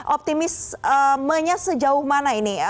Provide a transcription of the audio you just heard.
optimismenya sejauh mana ini